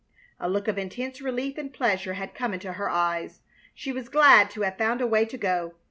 A look of intense relief and pleasure had come into her eyes. She was glad to have found a way to go.